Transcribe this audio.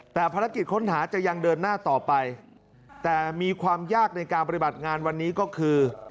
แต่ภารกิจค้นหาจะยังเดินหน้าต่อไปแต่มีความยากในการปฏิบัติงานวันนี้ก็คือ